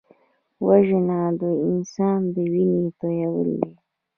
وژنه د انسان وینه تویول دي